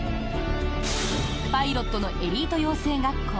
パイロットのエリート養成学校